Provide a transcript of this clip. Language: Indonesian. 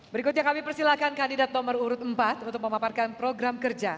berikutnya kami persilahkan kandidat nomor urut empat untuk memaparkan program kerja